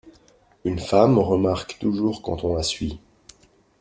Une femme remarque toujours quand on la suit.